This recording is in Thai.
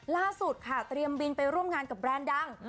ล่าสุดค่ะเตรียมบินไปร่วมงานกับแบรนด์ดัง